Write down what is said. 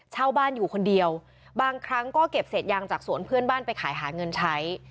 เช่าบ้านอยู่คนเดียวบางครั้งก็เก็บเศษยางจากสวนเพื่อนบ้านไปขายหาเงินใช้